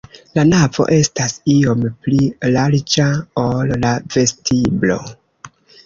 La navo estas iom pli larĝa, ol la vestiblo.